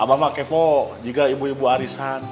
abah mah kepo juga ibu ibu arisan